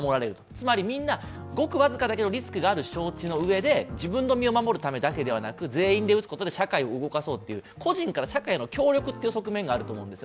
つまり、みんなごく僅かだけでリスクがあるのは承知のうえで自分の身を守るためだけではなく全員が打つことで社会を動かそうという個人から社会への協力という側面があると思うんです。